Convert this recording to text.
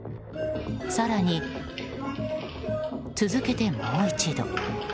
更に、続けてもう一度。